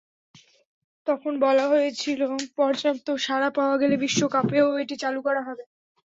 তখন বলা হয়েছিল পর্যাপ্ত সাড়া পাওয়া গেলে বিশ্বকাপেও এটি চালু করা হবে।